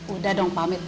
udah dong pamir